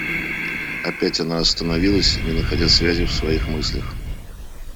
Опять она остановилась, не находя связи в своих мыслях.